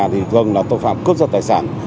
thì gần là tội phạm cướp giật tài sản